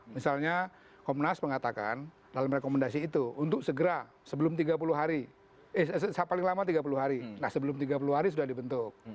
misalnya komnas mengatakan dalam rekomendasi itu untuk segera sebelum tiga puluh hari paling lama tiga puluh hari nah sebelum tiga puluh hari sudah dibentuk